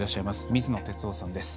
水野哲夫さんです。